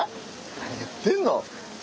何言ってんの。